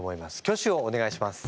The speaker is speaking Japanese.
挙手をお願いします。